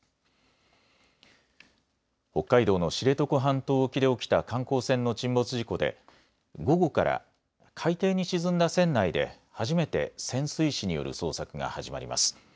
北海道の知床半島沖で起きた観光船の沈没事故で午後から海底に沈んだ船内で初めて潜水士による捜索が始まります。